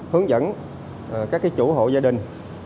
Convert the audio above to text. hướng dẫn các chủ hộ gia đình